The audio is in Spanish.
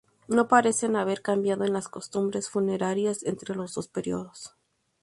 No parecen haber cambios en las costumbres funerarias entre los dos períodos.